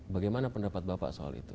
bagaimana pendapat bapak soal itu